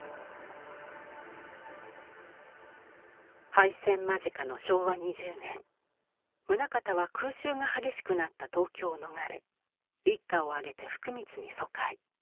敗戦間近の昭和２０年棟方は空襲が激しくなった東京を逃れ一家をあげて福光に疎開。